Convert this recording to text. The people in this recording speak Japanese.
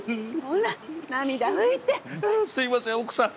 ああすいません奥さん。